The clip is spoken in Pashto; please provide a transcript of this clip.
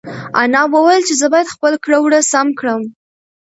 انا وویل چې زه باید خپل کړه وړه سم کړم.